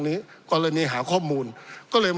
ปี๑เกณฑ์ทหารแสน๒